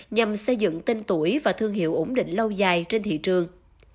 nhằm xây dựng tinh tuổi và thương hiệu ổn định lâu dài trên thị trường